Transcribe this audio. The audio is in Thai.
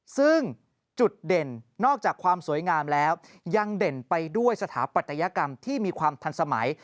ซึ่งจุดเด่นนอกจากความสวยงามแล้วยังเด่นไปด้วยสถาปัตยกรรมที่มีความทันสมัย